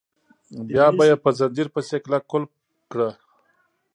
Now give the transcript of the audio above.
بیا یې په ځنځیر پسې کلک قلف کړه.